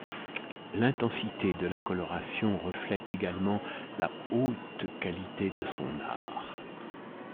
L'intensité de la coloration reflète également la haute qualité de son art.